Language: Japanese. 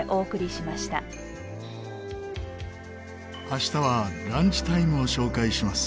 明日はランチタイムを紹介します。